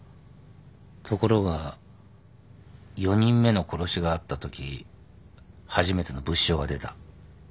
ところが４人目の殺しがあったとき初めての物証が出た。